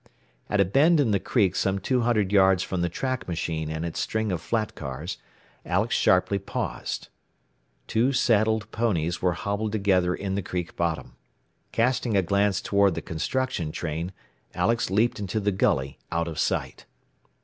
At a bend in the creek some two hundred yards from the track machine and its string of flat cars, Alex sharply paused. Two saddled ponies were hobbled together in the creek bottom. Casting a glance toward the construction train, Alex leaped into the gully, out of sight.